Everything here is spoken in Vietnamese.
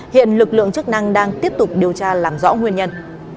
hiện lực lượng chức năng đang tiếp tục điều tra làm rõ nguyên nhân